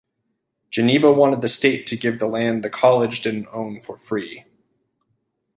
Geneva wanted the state to give the land the college didn't own for free.